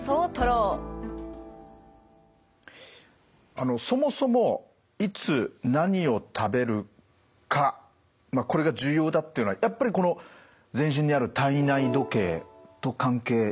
あのそもそもいつ何を食べるかこれが重要だっていうのはやっぱりこの全身にある体内時計と関係してますか？